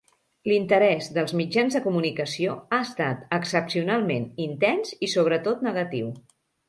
L'interès dels mitjans de comunicació ha estat excepcionalment intens i sobretot negatiu.